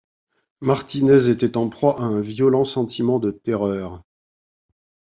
Martinez était en proie à un violent sentiment de terreur